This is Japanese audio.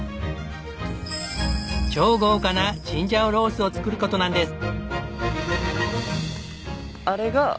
超豪華なチンジャオロースを作る事なんです！